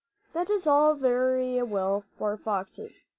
That is all very well for foxes.